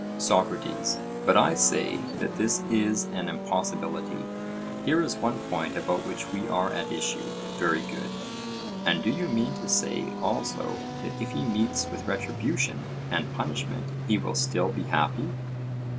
SOCRATES: But I say that this is an impossibility—here is one point about which we are at issue:—very good. And do you mean to say also that if he meets with retribution and punishment he will still be happy?